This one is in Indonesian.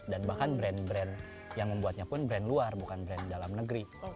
dan bahkan brand brand yang membuatnya pun brand luar bukan brand dalam negeri